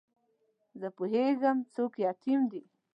زه پوهېږم څوک یتیم دی.